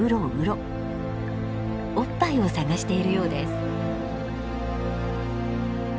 おっぱいを探しているようです。